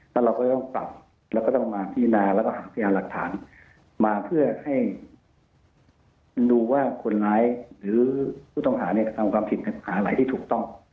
แล้วเราก็จะต้องปรับแล้วก็ต้องมาพินาแล้วก็หาพยานหลักฐานมาเพื่อให้ดูว่าคนร้ายหรือผู้ต้องหาเนี่ยกระทำความผิดหาอะไรที่ถูกต้อง